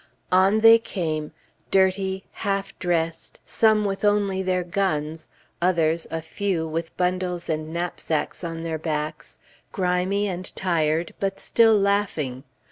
On they came, dirty, half dressed, some with only their guns, others, a few, with bundles and knapsacks on their backs, grimy and tired, but still laughing.